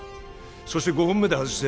そして５本目で外して